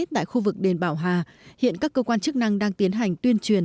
tại khu vực đền bảo hà hiện các cơ quan chức năng đang tiến hành tuyên truyền